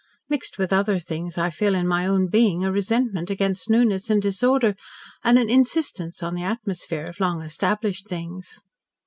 Mixed with other things, I feel in my own being a resentment against newness and disorder, and an insistence on the atmosphere of long established things."